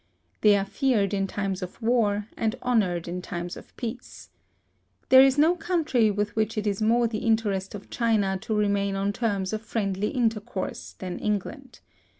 They are feared in times of war, and honored in times of peace. There is no country with which it is more the interest of China to remain on terms of friendly intercourse than England.